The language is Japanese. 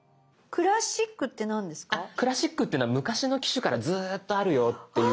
「クラシック」っていうのは昔の機種からずっとあるよっていうものがはい。